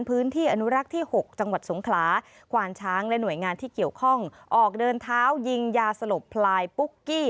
อนุรักษ์ที่๖จังหวัดสงขลาควานช้างและหน่วยงานที่เกี่ยวข้องออกเดินเท้ายิงยาสลบพลายปุ๊กกี้